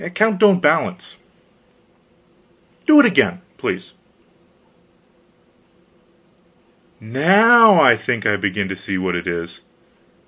The account don't balance. Do it again, please.... Now I think I begin to see what it is.